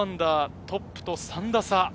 トップと３打差。